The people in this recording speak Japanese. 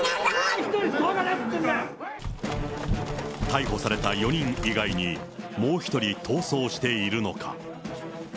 もう１人、逮捕された４人以外に、もう１人逃走しているのか。